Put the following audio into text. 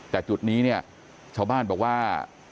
แต่จุดนี้เนี่ยชาวบ้านบอกว่า